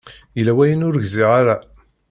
Yella wayen ur gziɣ ara.